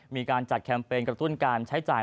มีการจัดแคมเปญกระตุ้นการใช้จ่าย